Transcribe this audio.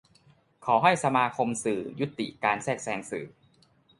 ขอให้สมาคมสื่อยุติการแทรกแซงสื่อ